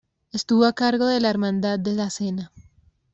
Estuvo a cargo de la Hermandad de la Cena.